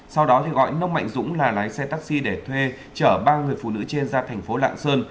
sau đó gọi nông mạnh dũng là lái xe taxi để thuê chở ba người phụ nữ trên ra thành phố lạng sơn